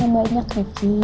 gue banyak rifqi